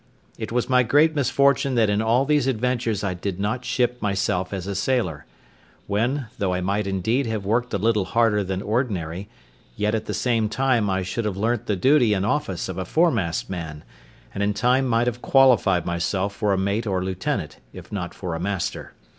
It was my great misfortune that in all these adventures I did not ship myself as a sailor; when, though I might indeed have worked a little harder than ordinary, yet at the same time I should have learnt the duty and office of a fore mast man, and in time might have qualified myself for a mate or lieutenant, if not for a master.